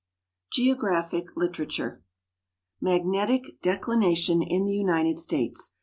GEOGRAPHIC LITERATURE Magnetic Declination in the United States.